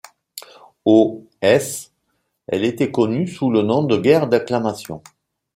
Aux s, elle était connue sous le nom de guerre d'Acclamation.